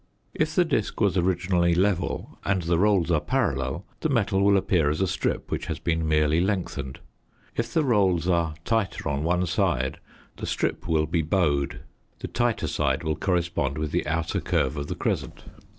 If the disc was originally level and the rolls are parallel, the metal will appear as a strip which has been merely lengthened. If the rolls are tighter on one side the strip will be bowed; the tighter side will correspond with the outer curve of the crescent.